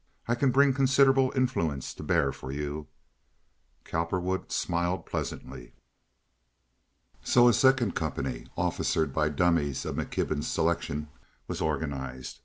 I can bring considerable influence to bear for you." Cowperwood smiled pleasantly. So a second company, officered by dummies of McKibben's selection, was organized.